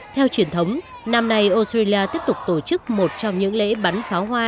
theo truyền thống năm nay australia tiếp tục tổ chức một trong những lễ bắn pháo hoa